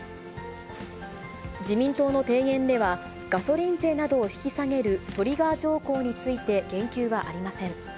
自民党の提言では、ガソリン税などを引き下げるトリガー条項について言及はありません。